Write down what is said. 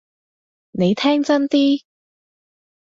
你聽真啲！